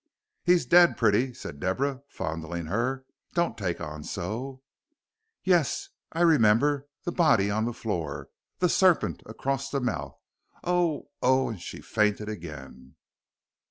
"He's dead, pretty," said Deborah, fondling her. "Don't take on so." "Yes I remember the body on the floor the serpent across the mouth oh oh!" and she fainted again.